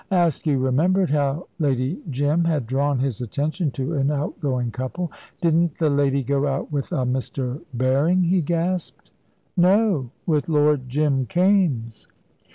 Askew remembered how Lady Jim had drawn his attention to an outgoing couple. "Didn't the lady go out with a Mr. Berring?" he gasped. "No; with Lord Jim Kaimes!"